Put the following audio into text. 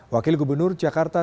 wakil gubernur jakarta